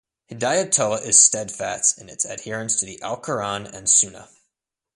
Hidayatullah is steadfast in its adherence to the Al Quran and Sunnah.